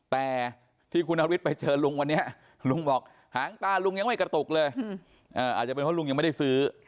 แต่ที่คุณนฤทธิไปเจอลุงวันนี้ลุงบอกหางตาลุงยังไม่กระตุกเลยอาจจะเป็นเพราะลุงยังไม่ได้ซื้อ